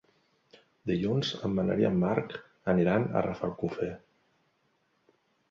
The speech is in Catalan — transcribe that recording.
Dilluns en Manel i en Marc aniran a Rafelcofer.